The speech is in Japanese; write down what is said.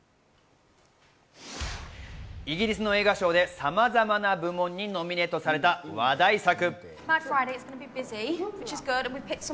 イギリスの映画賞でさまざまな部門にノミネートされた話題作。